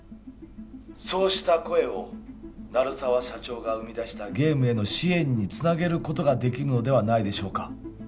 そうした声を鳴沢社長が生み出したゲームへの支援につなげることができるのではないでしょうか？